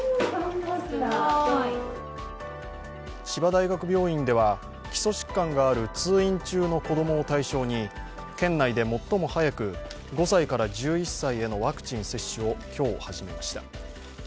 千葉大学病院では基礎疾患がある通院中の子供を対象に県内で最も早く、５歳から１１歳へのワクチン接種を今日始めました。